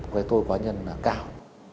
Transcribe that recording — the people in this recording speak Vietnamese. với tôi quá nhân là cao